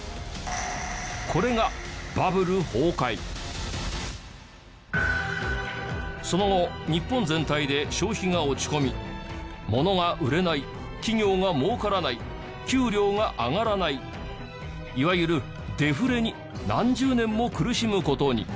これがその後日本全体で消費が落ち込みものが売れない企業が儲からない給料が上がらないいわゆるデフレに何十年も苦しむ事に。